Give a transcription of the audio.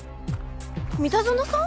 三田園さん？